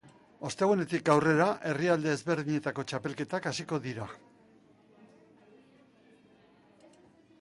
Ostegunetik aurrera herrialde ezberdinetako txapelketak hasiko dira.